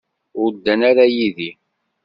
Ur ddan ara yid-i.